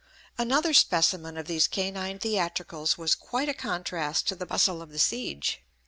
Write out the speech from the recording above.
Another specimen of these canine theatricals was quite a contrast to the bustle of the siege.